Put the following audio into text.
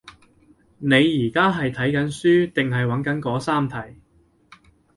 你而家係睇緊書定係揾緊嗰三題？